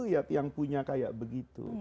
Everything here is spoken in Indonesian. rakyat yang punya kayak begitu